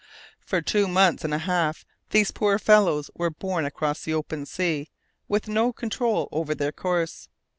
For two months and a half these poor fellows were borne across the open sea, with no control over their course.